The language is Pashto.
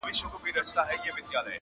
اوس به څوك رايادوي تېري خبري-